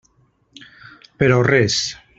Però res.